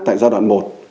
tại giai đoạn một